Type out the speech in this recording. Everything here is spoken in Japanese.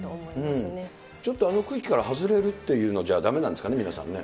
ちょっとあの区域から外れるっていうのじゃだめなんですかね、皆さんね。